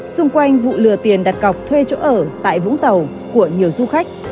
xung quanh vụ lừa tiền đặt cọc thuê chỗ ở tại vũng tàu của nhiều du khách